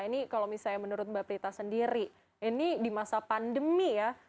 ini kalau misalnya menurut mbak prita sendiri ini di masa pandemi ya